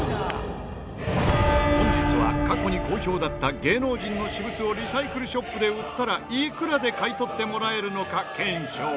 本日は過去に好評だった芸能人の私物をリサイクルショップで売ったらいくらで買い取ってもらえるのか検証。